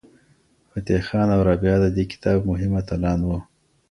فتح خان او رابعه د دې کتاب مهم اتلان وو.